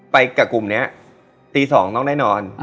ไปกับกลุ่มนี้ตีสองน้องแน่นอน